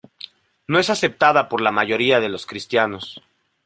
No es aceptada por la mayoría de los cristianos.